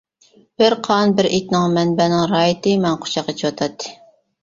بىر قان، بىر ئىتنىڭ مەنبەنىڭ راھىتى ماڭا قۇچاق ئېچىۋاتاتتى.